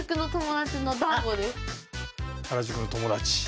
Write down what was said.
原宿の友達。